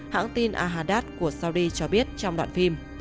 hãng tin ahadat của saudi cho biết trong đoạn phim